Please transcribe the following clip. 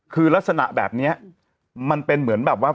คือลักษณะแบบนี้มันเป็นเหมือนแบบว่า